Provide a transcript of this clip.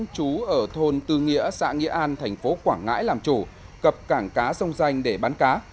chú ở thôn tư nghĩa xã nghĩa an thành phố quảng ngãi làm chủ cập cảng cá sông danh để bán cá